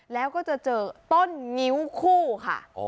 แล้วก็จะเจอต้นงิ้วคู่ค่ะ